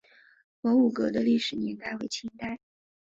文武阁的历史年代为清代。